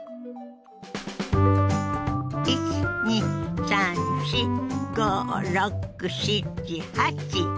１２３４５６７８。